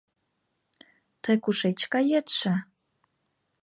— Тый кушеч каетше?